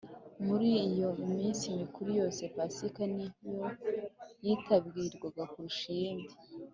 Mur’iyo minsi mikuru yose, Pasika niyo yitabirwaga kurusha iyindi